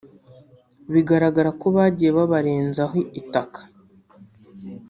bigaragara ko bagiye babarenzaho itaka